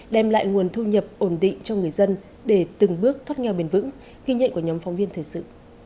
đem lại nguồn thu nhập ổn định cho người dân để từng bước thoát nghèo bền vững ghi nhận của nhóm phóng viên thời sự